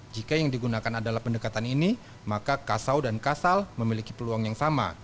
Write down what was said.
jika yang digunakan adalah pendekatan ini maka kasau dan kasal memiliki peluang yang sama